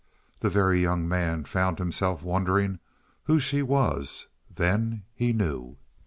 The Very Young Man found himself wondering who she was; then he knew.